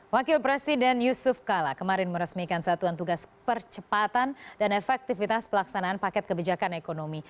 wakil presiden yusuf kala kemarin meresmikan satuan tugas percepatan dan efektivitas pelaksanaan paket kebijakan ekonomi